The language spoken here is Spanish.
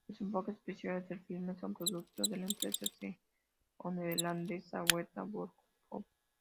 Los efectos especiales del filme son producto de la empresa neozelandesa Weta Workshop.